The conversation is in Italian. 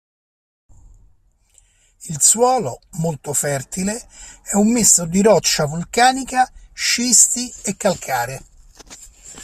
Il suolo, molto fertile, è un misto di roccia vulcanica, scisti e calcare.